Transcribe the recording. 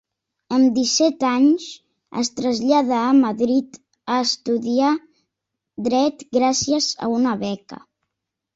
Amb disset anys es trasllada a Madrid a estudiar dret gràcies a una beca.